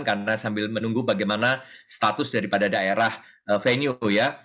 karena sambil menunggu bagaimana status daripada daerah venue ya